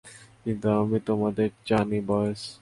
কিন্তু আমি তোমাদের জানি, বয়েজ!